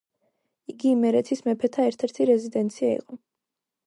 იგი იმერეთის მეფეთა ერთ-ერთი რეზიდენცია იყო.